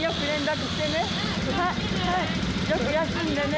よく休んでね。